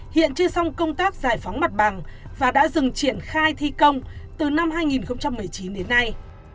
hiện chưa xong công tác giải phóng mặt bằng và đã dừng triển khai thi công từ năm hai nghìn một mươi chín đến nay